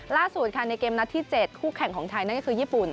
ล่าสุดค่ะในเกมนัดที่๗คู่แข่งของไทยนั่นก็คือญี่ปุ่น